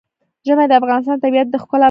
ژمی د افغانستان د طبیعت د ښکلا برخه ده.